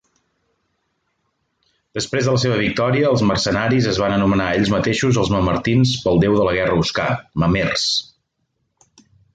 Després de la seva victòria, els mercenaris es van anomenar a ells mateixos els mamertins pel deu de la guerra oscà, Mamers.